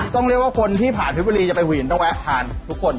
ต้องเรียกว่าคนที่ผ่านเพชรบุรีจะไปหวีนต้องแวะทานทุกคน